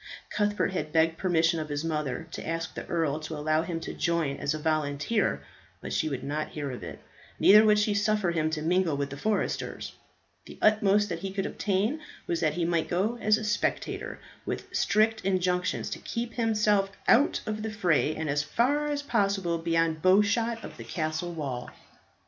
Cuthbert had begged permission of his mother to ask the earl to allow him to join as a volunteer, but she would not hear of it. Neither would she suffer him to mingle with the foresters. The utmost that he could obtain was that he might go as a spectator, with strict injunctions to keep himself out of the fray, and as far as possible beyond bow shot of the castle wall.